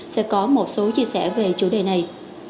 sẽ có một số chia sẻ về chủ đề này